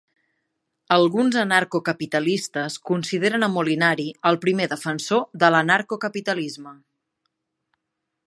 Alguns anarcocapitalistes consideren a Molinari el primer defensor de l'anarcocapitalisme.